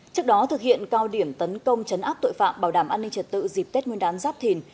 trước đó thực hiện cao điểm tấn công chấn áp tội phạm bảo đảm an ninh trật tự dịp tết nguyên đán giáp thìn